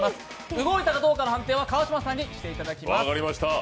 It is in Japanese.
動いたかどうかの判定は川島さんにしていただきます。